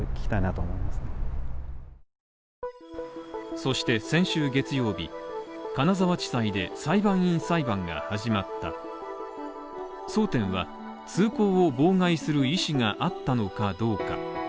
そして先週月曜日金沢地裁で裁判員裁判が始まった争点は、通行を妨害する意思があったのかどうか。